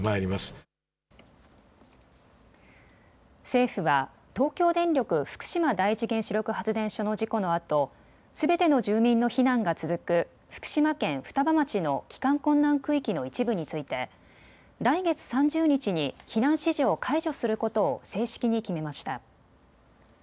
政府は東京電力福島第一原子力発電所の事故のあと、すべての住民の避難が続く福島県双葉町の帰還困難区域の一部について来月３０日に避難指示を解除することを正式に決めました。